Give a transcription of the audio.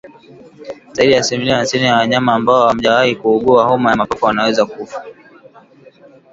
Zaidi ya asilimia hamsini ya wanyama ambao hawajawahi kuugua homa ya mapafu wanaweza kufa